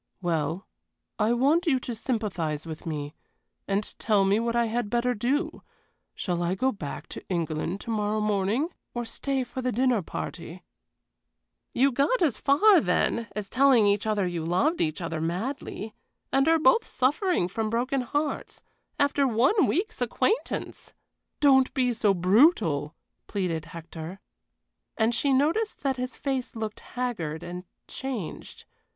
"Well, I want you to sympathize with me, and tell me what I had better do. Shall I go back to England to morrow morning, or stay for the dinner party?" "You got as far, then, as telling each other you loved each other madly and are both suffering from broken hearts, after one week's acquaintance." "Don't be so brutal!" pleaded Hector. And she noticed that his face looked haggard and changed.